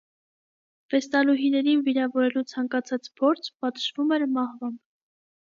Վեստալուհիներին վիրավորելու ցանկացած փորձ պատժվում էր մահվամբ։